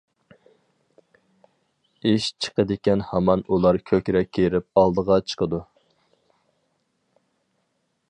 ئىش چىقىدىكەن ھامان ئۇلار كۆكرەك كېرىپ ئالدىغا چىقىدۇ.